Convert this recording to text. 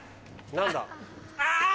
何だ？